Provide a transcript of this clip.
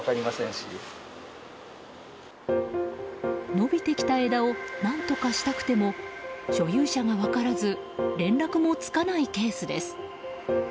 伸びてきた枝を何とかしたくても所有者が分からず連絡もつかないケースです。